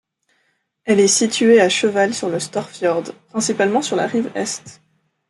Elle est située à cheval sur le Storfjord, principalement sur la rive est.